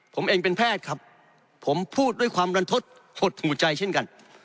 ผมเองเป็นแพทย์ครับผมพูดด้วยความรันทดหดหูใจเช่นกัน